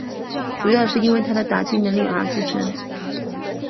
主要是因为他的打击能力而着称。